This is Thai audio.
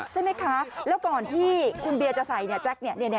ใช่ไหมคะแล้วก่อนที่คุณเบียร์จะใส่เนี่ย